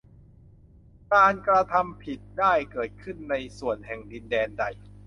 การกระทำผิดได้เกิดขึ้นในส่วนแห่งดินแดนใด